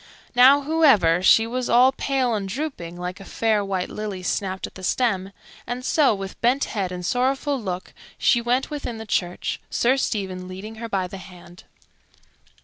Now, however, she was all pale and drooping, like a fair white lily snapped at the stem; and so, with bent head and sorrowful look, she went within the church, Sir Stephen leading her by the hand.